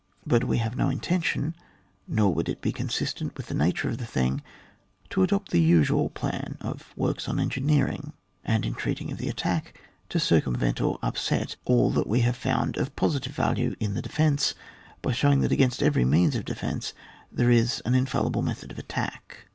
But we have no intention, nor would it be consistent with the nature of the thing, to adopt the usual plan of works on engineering, and in treating of the attack, to circumvent or upset all that we have found of positive value in the defence, by showing that against every means of defence, there is an in fallible method of attack.